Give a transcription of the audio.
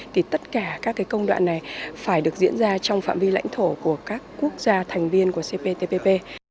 thì tất cả các công đoạn này phải được diễn ra trong phạm vi lãnh thổ của các quốc gia thành viên của cptpp